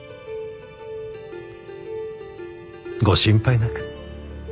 ご心配なく。